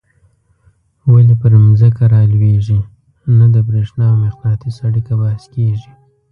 ولي پر ځمکه رالویږي نه د برېښنا او مقناطیس اړیکه بحث کیږي.